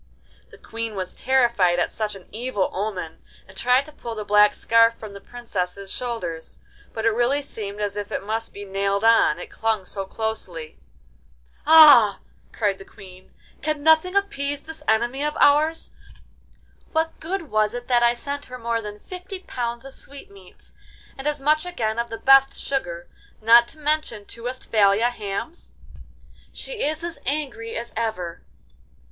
The Queen was terrified at such an evil omen, and tried to pull the black scarf from the Princess's shoulders, but it really seemed as if it must be nailed on, it clung so closely. 'Ah!' cried the Queen, 'can nothing appease this enemy of ours? What good was it that I sent her more than fifty pounds of sweetmeats, and as much again of the best sugar, not to mention two Westphalia hams? She is as angry as ever.